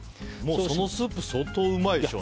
そのスープ相当うまいでしょうね。